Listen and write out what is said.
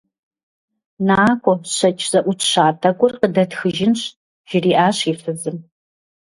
НакӀуэ, щэкӀ зэӀутща тӀэкӀур къыдэтхыжынщ, - жриӏащ и фызым.